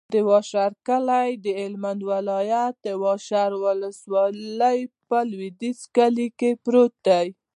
د واشر کلی د هلمند ولایت، واشر ولسوالي په لویدیځ کې پروت دی.